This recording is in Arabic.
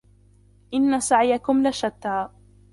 إِنَّ سَعْيَكُمْ لَشَتَّى